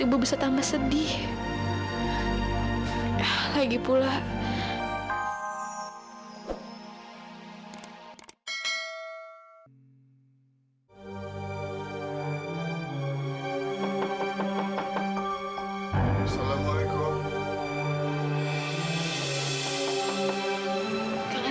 itu barusan izan atau bukannya